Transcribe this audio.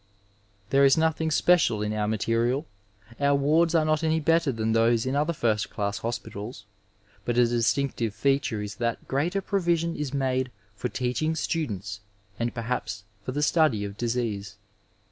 There is nothing special in our material, our wards are not any better than those in other first dass hospitals, but a distinctive feature is that greater provision is made for teaching students and p^haps for the stody of disease.